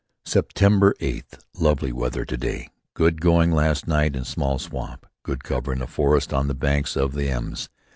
"September eighth: Lovely weather to day. Good going last night in small swamp. Good cover in a forest on the banks of the Ems.